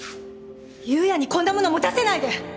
夕也にこんな物持たせないで！